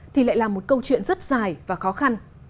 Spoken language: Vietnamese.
thì lại là một câu chuyện rất dài và khó khăn